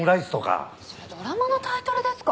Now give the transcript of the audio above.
それドラマのタイトルですか？